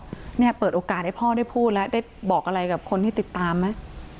เนี่ยเปิดโอกาสให้พ่อได้พูดแล้วได้บอกอะไรกับคนที่ติดตามไหม